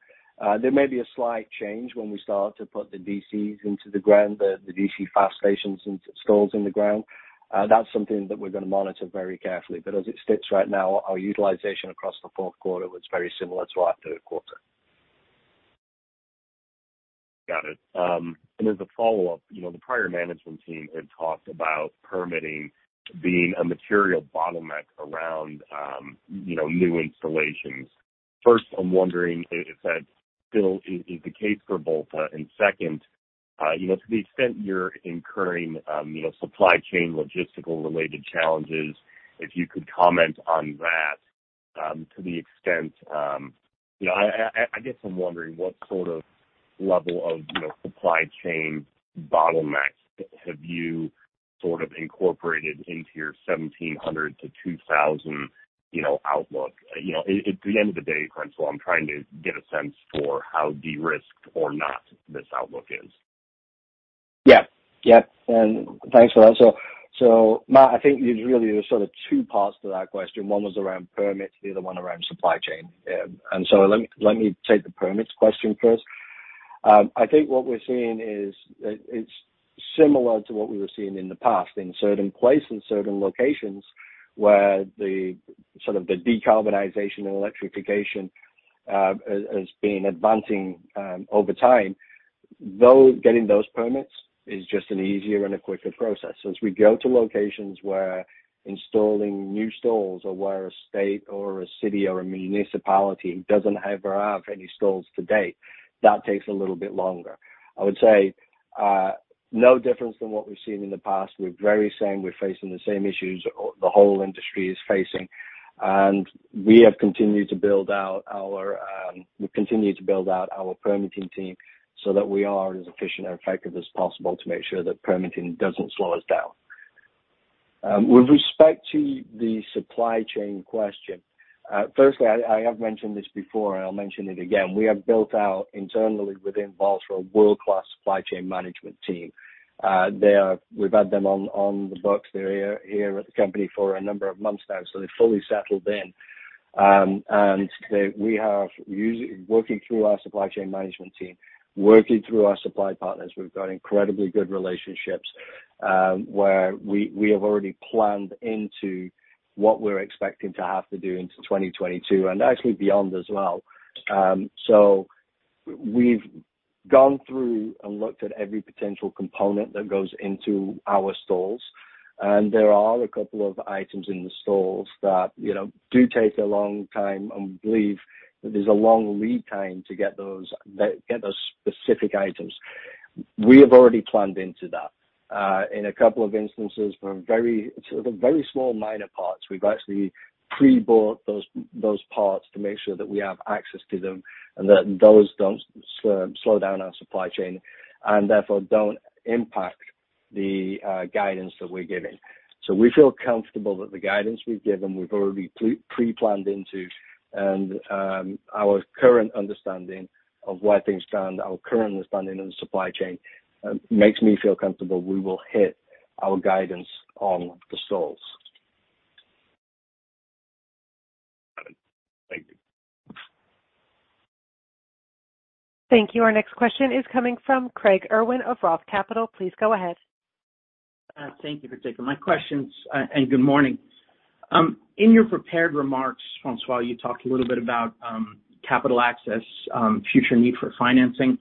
There may be a slight change when we start to put the DCs into the ground, the DC fast stations into stalls in the ground. That's something that we're gonna monitor very carefully. As it sits right now, our utilization across the fourth quarter was very similar to our third quarter. Got it. As a follow-up, you know, the prior management team had talked about permitting being a material bottleneck around, you know, new installations. First, I'm wondering if that still is the case for Volta. Second, you know, to the extent you're incurring, you know, supply chain logistical related challenges, if you could comment on that. You know, I guess I'm wondering what sort of level of, you know, supply chain bottlenecks have you sort of incorporated into your 1,700-2,000, you know, outlook? You know, at the end of the day, essentially, I'm trying to get a sense for how de-risked or not this outlook is. Yeah. Yeah. Thanks for that. So Matt, I think there's really sort of two parts to that question. One was around permits, the other one around supply chain. Let me take the permits question first. I think what we're seeing, it's similar to what we were seeing in the past. In certain places, certain locations where the sort of decarbonization and electrification has been advancing over time. Though getting those permits is just an easier and a quicker process. As we go to locations where installing new stalls or where a state or a city or a municipality doesn't ever have any stalls to date, that takes a little bit longer. I would say no different than what we've seen in the past. The very same. We're facing the same issues the whole industry is facing. We continue to build out our permitting team so that we are as efficient and effective as possible to make sure that permitting doesn't slow us down. With respect to the supply chain question, firstly, I have mentioned this before, and I'll mention it again. We have built out internally within Volta world-class supply chain management team. We've had them on the books. They're here at the company for a number of months now, so they're fully settled in, working through our supply chain management team, working through our supply partners. We've got incredibly good relationships, where we have already planned into what we're expecting to have to do into 2022 and actually beyond as well. We've gone through and looked at every potential component that goes into our stalls. There are a couple of items in the stalls that, you know, do take a long time, and we believe there's a long lead time to get those specific items. We have already planned into that. In a couple of instances from very, sort of very small minor parts, we've actually pre-bought those parts to make sure that we have access to them and that those don't slow down our supply chain and therefore don't impact the guidance that we're giving. We feel comfortable that the guidance we've given, we've already pre-planned into. Our current understanding of the supply chain makes me feel comfortable we will hit our guidance on the stalls. Got it. Thank you. Thank you. Our next question is coming from Craig Irwin of Roth Capital. Please go ahead. Thank you for taking my questions, and good morning. In your prepared remarks, Francois, you talked a little bit about capital access, future need for financing.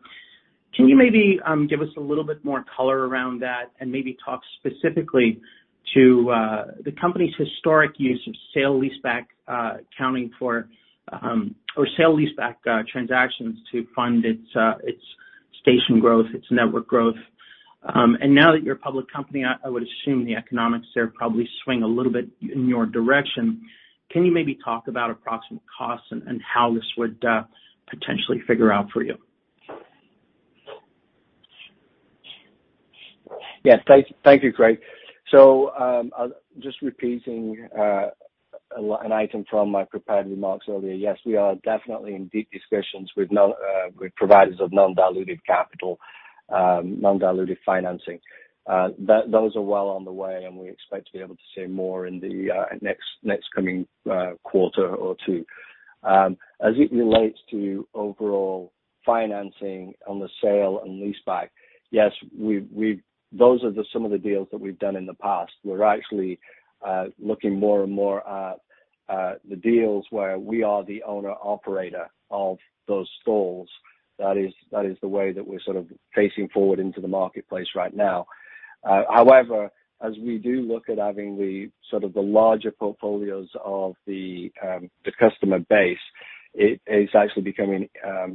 Can you maybe give us a little bit more color around that and maybe talk specifically to the company's historic use of sale lease back transactions to fund its station growth, its network growth. Now that you're a public company, I would assume the economics there probably swing a little bit in your direction. Can you maybe talk about approximate costs and how this would potentially figure out for you? Yes. Thank you, Craig. Just repeating an item from my prepared remarks earlier. Yes, we are definitely in deep discussions with providers of non-diluted capital, non-diluted financing. Those are well on the way, and we expect to be able to say more in the next coming quarter or two. As it relates to overall financing on the sale and lease back, yes, those are some of the deals that we've done in the past. We're actually looking more and more at the deals where we are the owner operator of those stalls. That is the way that we're sort of facing forward into the marketplace right now. However, as we do look at having the sort of larger portfolios of the customer base, it is actually becoming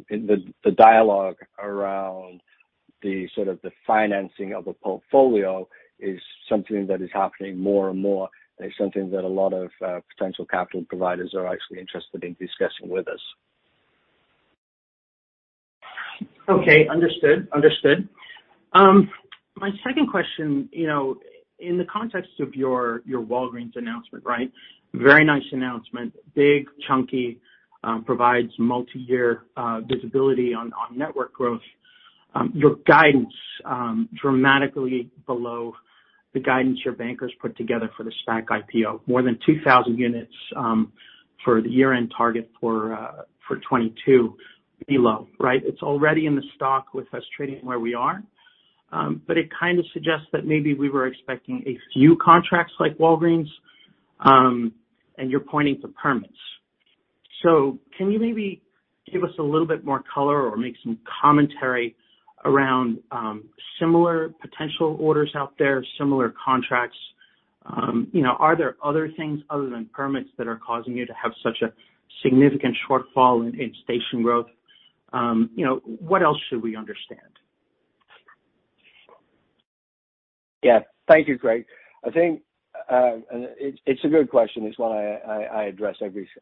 the dialogue around the sort of financing of a portfolio is something that is happening more and more. It's something that a lot of potential capital providers are actually interested in discussing with us. Okay. Understood. My second question, you know, in the context of your Walgreens announcement, right? Very nice announcement. Big, chunky, provides multiyear visibility on network growth. Your guidance dramatically below the guidance your bankers put together for the SPAC IPO, more than 2,000 units for the year-end target for 2022 below, right? It's already in the stock with us trading where we are. But it kind of suggests that maybe we were expecting a few contracts like Walgreens, and you're pointing to permits. Can you maybe give us a little bit more color or make some commentary around similar potential orders out there, similar contracts? You know, are there other things other than permits that are causing you to have such a significant shortfall in station growth? You know, what else should we understand? Yeah. Thank you, Craig. I think it's a good question. It's one I address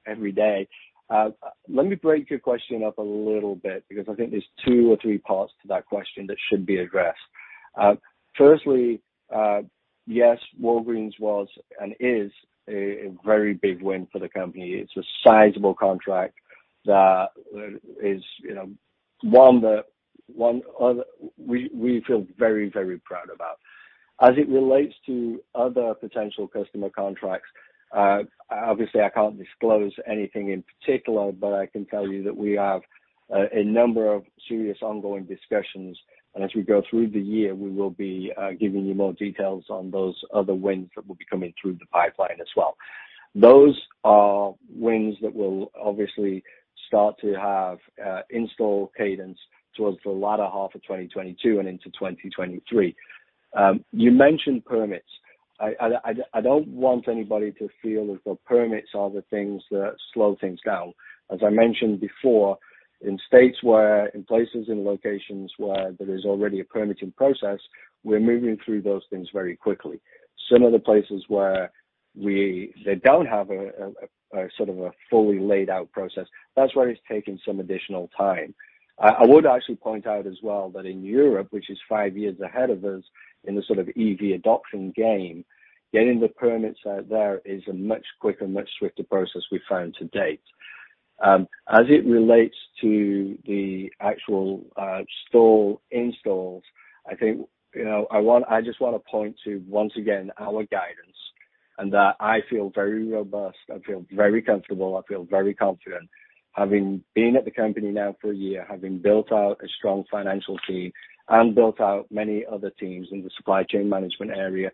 every day. Let me break your question up a little bit because I think there's two or three parts to that question that should be addressed. Firstly, yes, Walgreens was and is a very big win for the company. It's a sizable contract that is, you know, one that we feel very proud about. As it relates to other potential customer contracts, obviously, I can't disclose anything in particular, but I can tell you that we have a number of serious ongoing discussions. As we go through the year, we will be giving you more details on those other wins that will be coming through the pipeline as well. Those are wins that will obviously start to have install cadence towards the latter half of 2022 and into 2023. You mentioned permits. I don't want anybody to feel as though permits are the things that slow things down. As I mentioned before, in states where in places and locations where there is already a permitting process, we're moving through those things very quickly. Some of the places where they don't have a sort of a fully laid out process, that's where it's taking some additional time. I would actually point out as well that in Europe, which is five years ahead of us in the sort of EV adoption game, getting the permits out there is a much quicker, much swifter process we found to date. As it relates to the actual store installs, I think, you know, I just wanna point to, once again, our guidance and that I feel very robust. I feel very comfortable. I feel very confident having been at the company now for a year, having built out a strong financial team and built out many other teams in the supply chain management area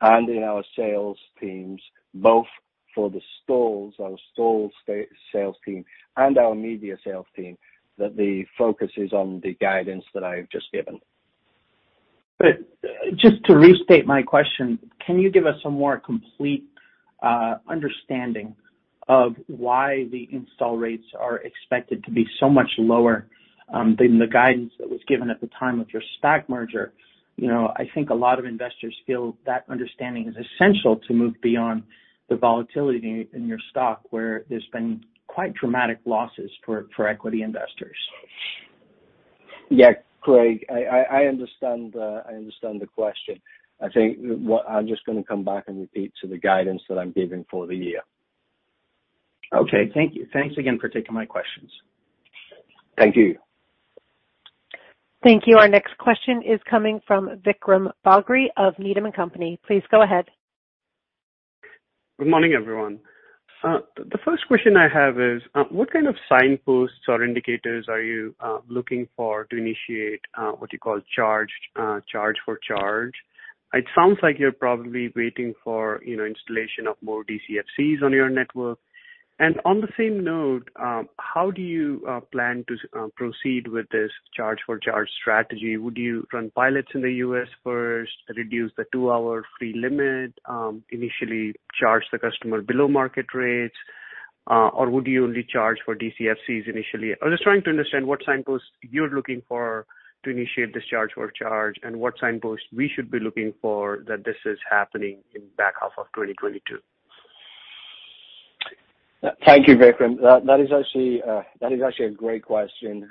and in our sales teams, both for the stores, our store sales team and our media sales team, that the focus is on the guidance that I have just given. Just to restate my question, can you give us a more complete understanding of why the install rates are expected to be so much lower than the guidance that was given at the time of your SPAC merger? You know, I think a lot of investors feel that understanding is essential to move beyond the volatility in your stock, where there's been quite dramatic losses for equity investors. Yeah. Craig, I understand the question. I think what I'm just gonna come back and repeat the guidance that I'm giving for the year. Okay. Thank you. Thanks again for taking my questions. Thank you. Thank you. Our next question is coming from Vikram Bagri of Needham & Company. Please go ahead. Good morning, everyone. The first question I have is, what kind of signposts or indicators are you looking for to initiate what you call charge-for-charge? It sounds like you're probably waiting for, you know, installation of more DCFCs on your network. On the same note, how do you plan to proceed with this charge-for-charge strategy? Would you run pilots in the U.S. first to reduce the two-hour free limit, initially charge the customer below market rates, or would you only charge for DCFCs initially? I'm just trying to understand what signposts you're looking for to initiate this charge-for-charge and what signposts we should be looking for that this is happening in back half of 2022? Thank you, Vikram. That is actually a great question.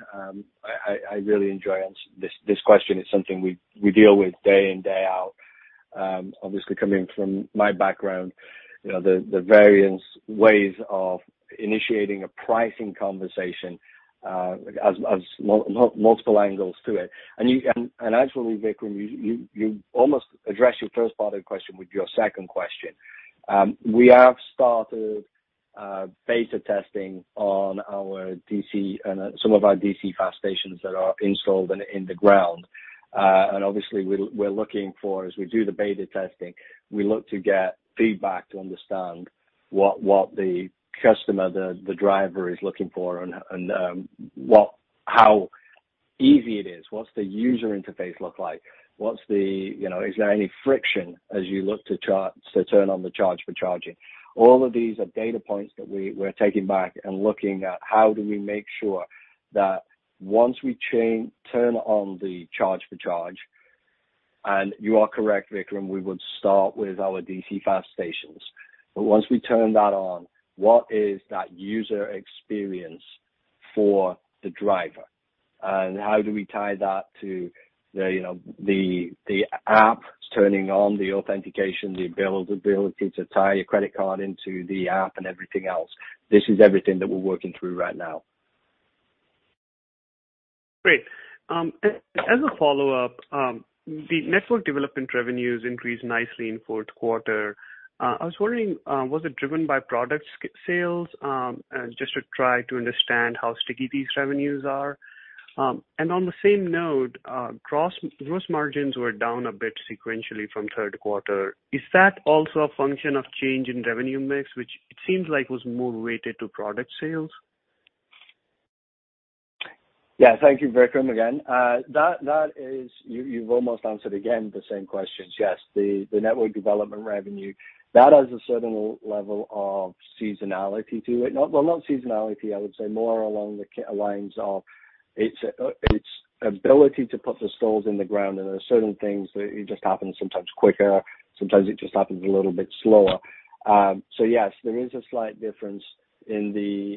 This question is something we deal with day in, day out. Obviously coming from my background, you know, the various ways of initiating a pricing conversation has multiple angles to it. Actually, Vikram, you almost addressed your first part of the question with your second question. We have started beta testing on our DC and some of our DC fast stations that are installed in the ground. Obviously we're looking for as we do the beta testing, we look to get feedback to understand what the customer, the driver is looking for and how easy it is, what's the user interface look like? What's the You know, is there any friction as you look to turn on the charge for charging? All of these are data points that we're taking back and looking at how do we make sure that once we turn on the charge-for-charge, and you are correct, Vikram, we would start with our DC fast stations. But once we turn that on, what is that user experience for the driver? And how do we tie that to you know, the app turning on the authentication, the ability to tie your credit card into the app and everything else? This is everything that we're working through right now. Great. As a follow-up, the network development revenues increased nicely in fourth quarter. I was wondering, was it driven by product sales? Just to try to understand how sticky these revenues are. On the same note, gross margins were down a bit sequentially from third quarter. Is that also a function of change in revenue mix, which it seems like was more weighted to product sales? Yeah. Thank you, Vikram, again. That is. You've almost answered again the same questions. Yes. The network development revenue, that has a certain level of seasonality to it. Well, not seasonality, I would say more along the lines of its ability to put the stalls in the ground, and there are certain things that it just happens sometimes quicker, sometimes it just happens a little bit slower. Yes, there is a slight difference in the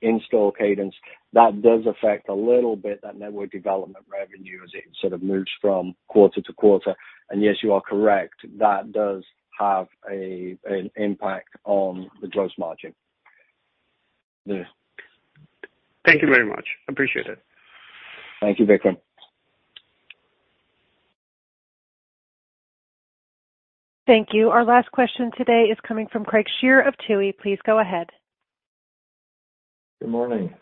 install cadence that does affect a little bit that network development revenue as it sort of moves from quarter-to-quarter. Yes, you are correct. That does have an impact on the gross margin. Yeah. Thank you very much. Appreciate it. Thank you, Vikram. Thank you. Our last question today is coming from Craig Shere of Tuohy Brothers. Please go ahead. Good morning.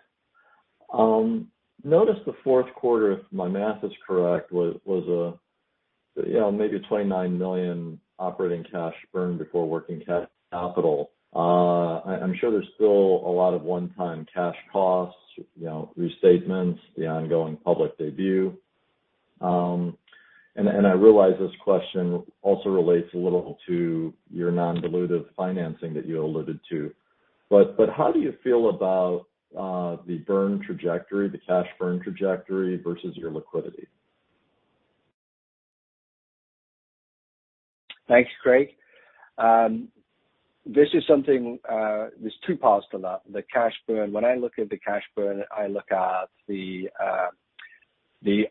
I noticed the fourth quarter, if my math is correct, was $29 million operating cash burn before working capital. You know, maybe. I'm sure there's still a lot of one-time cash costs, you know, restatements, the ongoing public debut. I realize this question also relates a little to your non-dilutive financing that you alluded to. How do you feel about the burn trajectory, the cash burn trajectory versus your liquidity? Thanks, Craig. This is something, there's two parts to that. The cash burn. When I look at the cash burn, I look at the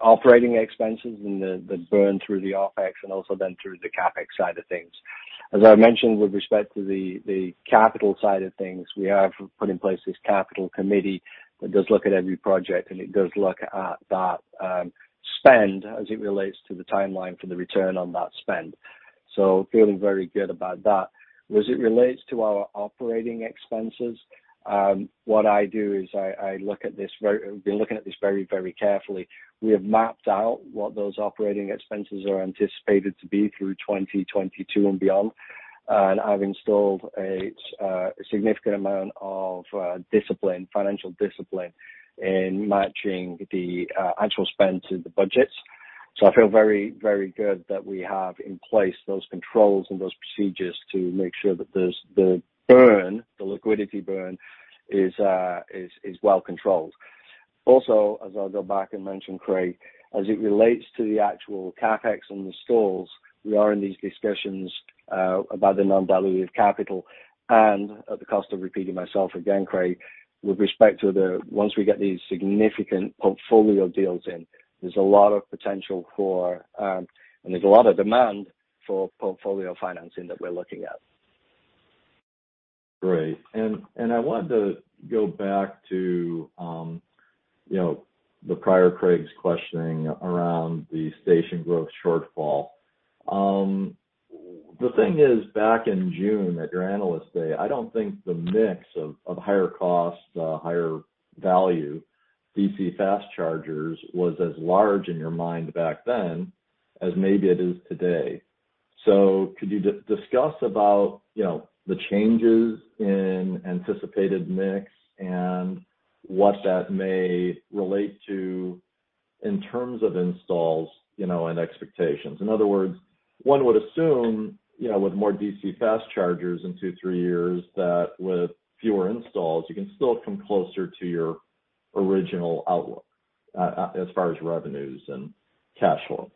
operating expenses and the burn through the OpEx and also then through the CapEx side of things. As I mentioned with respect to the capital side of things, we have put in place this capital committee that does look at every project, and it does look at that spend as it relates to the timeline for the return on that spend. Feeling very good about that. As it relates to our operating expenses, what I do is I look at this very. We're looking at this very, very carefully. We have mapped out what those operating expenses are anticipated to be through 2022 and beyond. I've installed a significant amount of discipline, financial discipline in matching the actual spend to the budgets. I feel very, very good that we have in place those controls and those procedures to make sure that there's the burn, the liquidity burn is well controlled. Also, as I'll go back and mention, Craig, as it relates to the actual CapEx and installs, we are in these discussions about the non-dilutive capital. At the cost of repeating myself again, Craig, with respect to once we get these significant portfolio deals in, there's a lot of potential for and there's a lot of demand for portfolio financing that we're looking at. Great. I wanted to go back to, you know, the prior Craig's questioning around the station growth shortfall. The thing is, back in June at your Analyst Day, I don't think the mix of higher cost higher value DC fast chargers was as large in your mind back then as maybe it is today. Could you discuss about, you know, the changes in anticipated mix and what that may relate to in terms of installs, you know, and expectations? In other words, one would assume, you know, with more DC fast chargers in two to three years, that with fewer installs, you can still come closer to your original outlook, as far as revenues and cash flow.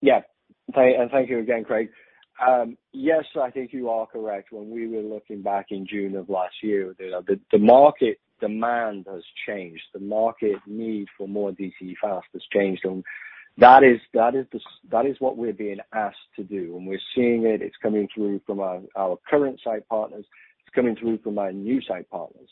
Yeah. Thank you again, Craig. Yes, I think you are correct. When we were looking back in June of last year, the market demand has changed. The market need for more DC fast has changed. That is what we're being asked to do, and we're seeing it. It's coming through from our current site partners. It's coming through from our new site partners.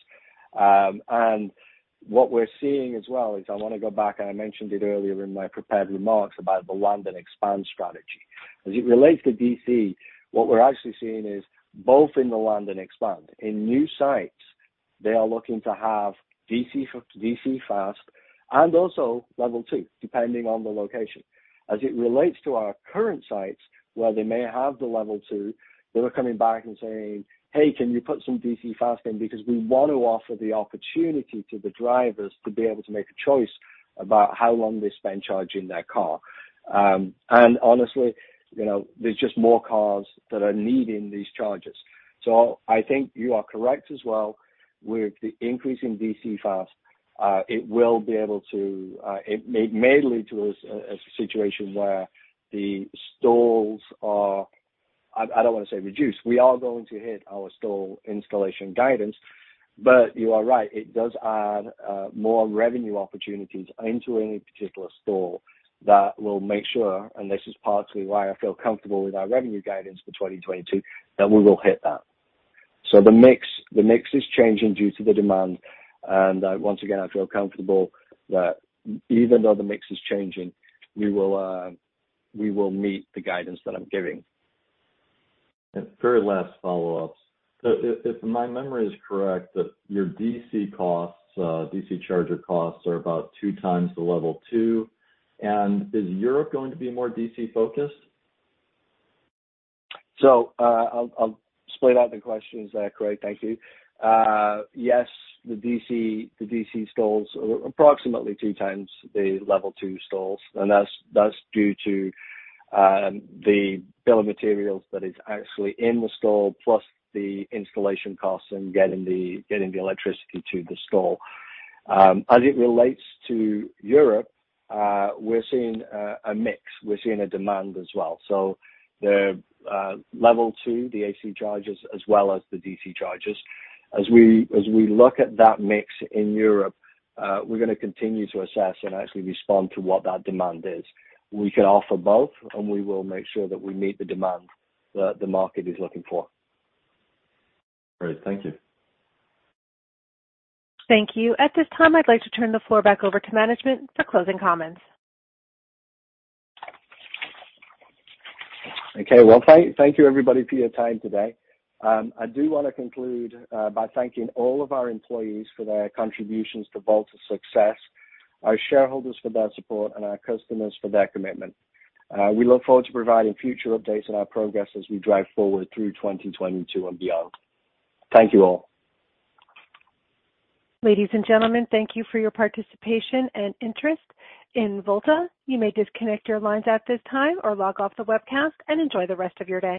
What we're seeing as well is I wanna go back, and I mentioned it earlier in my prepared remarks about the land and expand strategy. As it relates to DC, what we're actually seeing is both in the land and expand. In new sites, they are looking to have DC fast and also level two, depending on the location. As it relates to our current sites, where they may have the Level 2, they were coming back and saying, "Hey, can you put some DC fast in? Because we want to offer the opportunity to the drivers to be able to make a choice about how long they spend charging their car." Honestly, you know, there's just more cars that are needing these chargers. I think you are correct as well with the increase in DC fast. It may lead to a situation where the stalls are, I don't wanna say reduced. We are going to hit our stall installation guidance. You are right, it does add more revenue opportunities into any particular stall that will make sure, and this is partly why I feel comfortable with our revenue guidance for 2022, that we will hit that. The mix is changing due to the demand. Once again, I feel comfortable that even though the mix is changing, we will meet the guidance that I'm giving. Very last follow-ups. If my memory is correct, that your DC costs, DC charger costs are about two times the level two, and is Europe going to be more DC-focused? I'll split out the questions there, Craig. Thank you. Yes, the DC stalls are approximately 2x the level two stalls, and that's due to the bill of materials that is actually in the stall, plus the installation costs and getting the electricity to the stall. As it relates to Europe, we're seeing a mix. We're seeing a demand as well. The level two, the AC chargers as well as the DC chargers. As we look at that mix in Europe, we're gonna continue to assess and actually respond to what that demand is. We can offer both, and we will make sure that we meet the demand that the market is looking for. Great. Thank you. Thank you. At this time, I'd like to turn the floor back over to management for closing comments. Okay. Well, thank you everybody for your time today. I do wanna conclude by thanking all of our employees for their contributions to Volta's success, our shareholders for their support, and our customers for their commitment. We look forward to providing future updates on our progress as we drive forward through 2022 and beyond. Thank you all. Ladies and gentlemen, thank you for your participation and interest in Volta. You may disconnect your lines at this time or log off the webcast and enjoy the rest of your day.